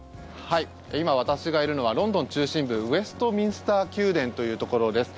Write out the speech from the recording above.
今、私がいるのはロンドン中心部ウェストミンスター宮殿というところです。